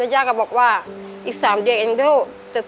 ย่าก็บอกว่าอีก๓เดือนเองเถอะ